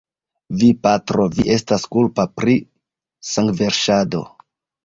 Vi, patro, vi estas kulpa pri sangverŝado!